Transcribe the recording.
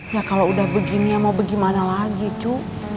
ya kalau udah begini ya mau bagaimana lagi cu